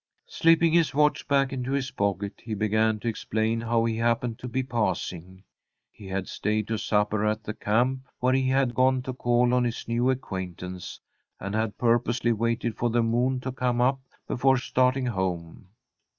Slipping his watch back into his pocket, he began to explain how he happened to be passing. He had stayed to supper at the camp where he had gone to call on his new acquaintance, and had purposely waited for the moon to come up before starting home.